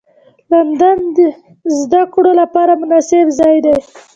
لندن د زدهکړو لپاره مناسب ځای دی